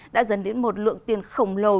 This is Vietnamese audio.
đã dần đến một lượng tiền khổng lồ